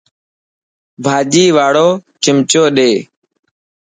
ڀاڄي واڙو چمچو ڏي.